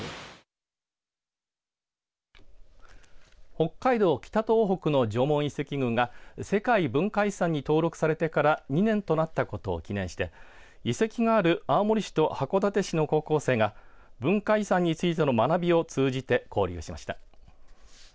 北海道・北東北の縄文遺跡群が世界文化遺産に登録されてから２年となったことを記念して遺跡がある青森市と函館市の高校生が文化遺産についての学びを通じて交流しました。